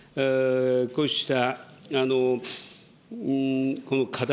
こうしたこの課題、